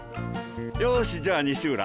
よしじゃあ西浦